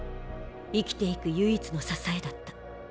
生きていく唯一の支えだった。